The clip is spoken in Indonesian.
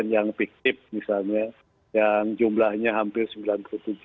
yang piktif misalnya yang jumlahnya hampir sembilan puluh tujuh